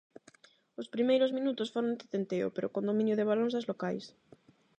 Os primeiros minutos foron de tenteo pero con dominio de balón das locais.